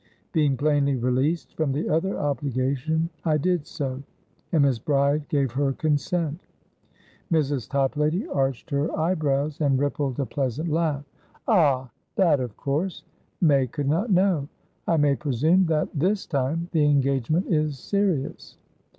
Being plainly released from the other obligation, I did soand Miss Bride gave her consent." Mrs. Toplady arched her eyebrows, and rippled a pleasant laugh. "Ah! That, of course, May could not know. I may presume that, this time, the engagement is serious?"